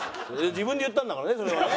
自分で言ったんだからねそれはね。